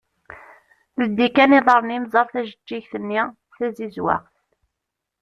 Ldi kan iḍarren-im ẓer tajeğğigt-nni tazizwaɣt.